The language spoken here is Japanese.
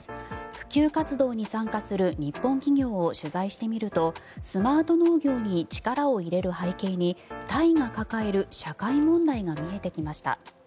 普及活動に参加する日本企業を取材してみるとスマート農業に力を入れる背景にタイが抱える社会問題が見えてきました。